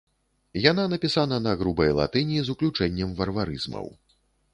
Яна напісана на грубай латыні з уключэннем варварызмаў.